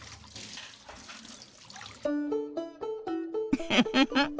フフフフ。